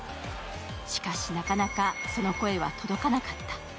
しかし、なかなかその声は届かなかった。